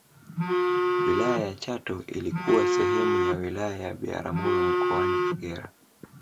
Wilaya ya Chato ilikuwa sehemu ya wilaya ya Biharamulo mkoani Kagera